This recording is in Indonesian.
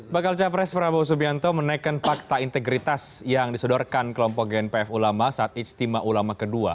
bakal capres prabowo subianto menaikkan fakta integritas yang disodorkan kelompok gnpf ulama saat ijtima ulama kedua